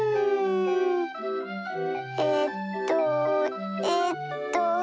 えっとえっと。